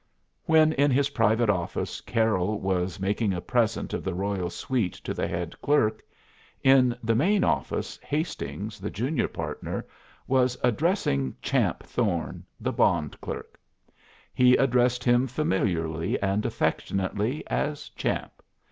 When in his private office Carroll was making a present of the royal suite to the head clerk, in the main office Hastings, the junior partner, was addressing "Champ" Thorne, the bond clerk. He addressed him familiarly and affectionately as "Champ."